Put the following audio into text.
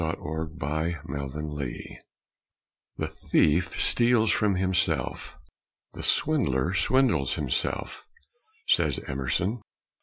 PRAYER FOR PAIN "The thief steals from himself. The swindler swindles himself," says Emerson.